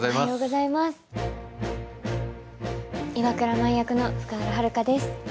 岩倉舞役の福原遥です。